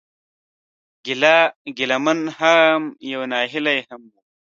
ګيله من هم يم او ناهيلی هم ، خو